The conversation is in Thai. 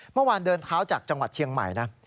เมื่อวานเดินเท้าจากจังหวัดเชียงใหม่นะ